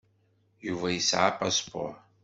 Yuba yesɛa apaspuṛ.